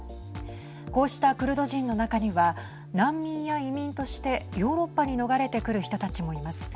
こうしたクルド人の中には難民や移民としてヨーロッパに逃れてくる人たちもいます。